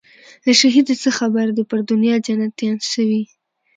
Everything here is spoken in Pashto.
له شهیده څه خبر دي پر دنیا جنتیان سوي